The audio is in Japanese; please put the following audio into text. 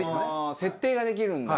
設定ができるんだ。